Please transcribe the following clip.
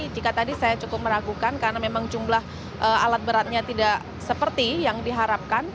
jika tadi saya cukup meragukan karena memang jumlah alat beratnya tidak seperti yang diharapkan